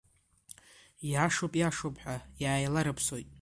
Ииашоуп, ииашоуп ҳәа иааиларыԥсоит.